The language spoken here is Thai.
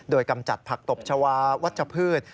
โดยกำจัดผักตบชาวาวัชพืช